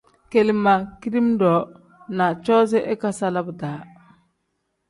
Kele ma kidiim-ro na coozi ikasala bidaa.